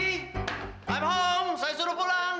i'm home saya suruh pulang